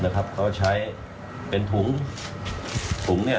เขาใช้เป็นถุง